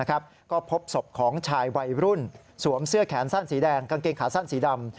ก็พบศพของชายวัยรุ่นสวมเสื้อแขนสั้นสีแดงกางเกงขาสั้นสีดำ